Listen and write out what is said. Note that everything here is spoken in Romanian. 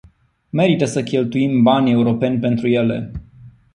Merită să cheltuim bani europeni pentru ele.